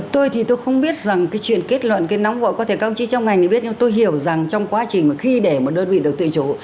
tôi thì tôi không biết rằng cái chuyện kết luận cái nóng hội có thể công trị trong ngành thì biết nhưng tôi hiểu rằng trong quá trình khi để một đơn vị được tự chủ